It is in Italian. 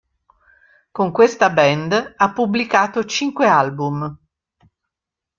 Con questa band ha pubblicato cinque album.